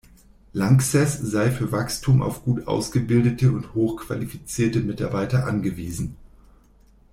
Lanxess sei für Wachstum auf gut ausgebildete und hoch qualifizierte Mitarbeiter angewiesen.